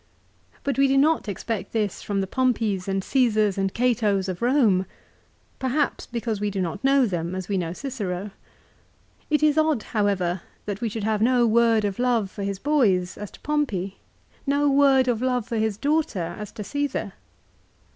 But we do not expect this from the Pompeys and Caesars and Catos of Borne, perhaps because we do not know them as we know Cicero. It is odd, however, that we should have no word of love for his boys, as to Pompey ; no word of love for his daughter, as to Csesar.